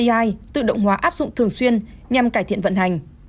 ai tự động hóa áp dụng thường xuyên nhằm cải thiện vận hành